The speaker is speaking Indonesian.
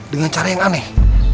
dengan cara yang aneh